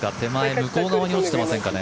向こう側に落ちてませんかね。